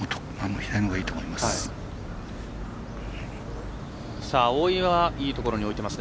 左のほうがいいと思います。